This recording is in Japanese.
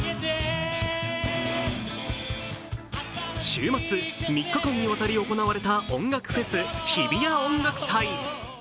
週末３日間にわたり行われた音楽フェス、日比谷音楽祭。